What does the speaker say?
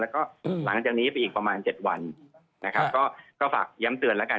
แล้วก็หลังจากนี้ไปอีกประมาณ๗วันนะครับก็ฝากย้ำเตือนแล้วกัน